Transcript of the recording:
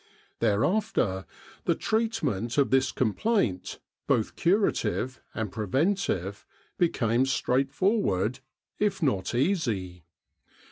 Thereafter the treatment of this complaint, both curative and preventive, became straightforward, if not easy.